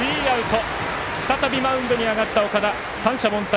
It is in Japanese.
再びマウンドに上がった岡田三者凡退。